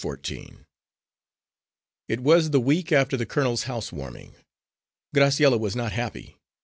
Fourteen It was the week after the colonel's house warming. Graciella was not happy.